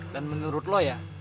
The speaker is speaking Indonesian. dan menurut lo ya